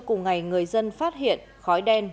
cùng ngày người dân phát hiện khói đen